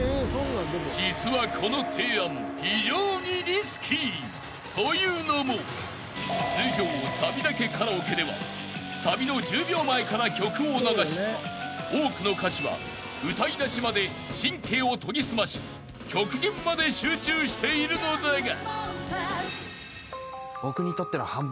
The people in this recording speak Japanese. ［実はこの提案非常にリスキー。というのも通常サビだけカラオケではサビの１０秒前から曲を流し多くの歌手は歌い出しまで神経を研ぎ澄まし極限まで集中しているのだが］